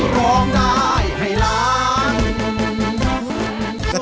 ร้องได้ให้ล้าน